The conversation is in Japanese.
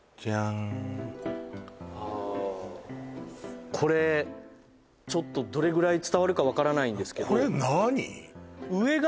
・ああこれどれぐらい伝わるか分からないんですけど